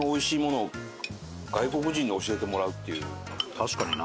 確かにな。